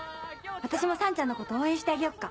私もさんちゃんのこと応援してあげよっか。